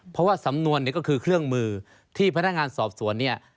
เพราะว่าสำนวนเนี่ยก็คือเครื่องมือที่พนักงานสอบสวนเนี่ย